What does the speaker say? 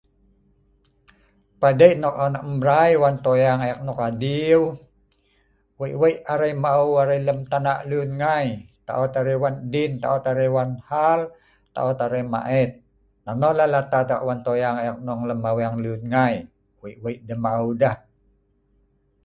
Padei nok on eek mbrai wan toyang eek nok adieu wei-wei arai maeu arai lem tana luen ngai taot arai wan dien, tàot arai wan hal, taot arai maet, nonoh lah latad eek wan toyang eek dong lem aweng luen ngai wei-wei arai maeu deeh